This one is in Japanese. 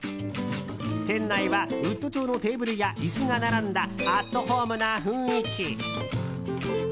店内は、ウッド調のテーブルや椅子が並んだアットホームな雰囲気。